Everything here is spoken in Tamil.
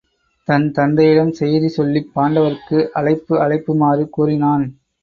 தன் தந்தையிடம் செய்தி சொல்லிப் பாண்டவர்க்கு அழைப்பு அழைப்புமாறு கூறினான்.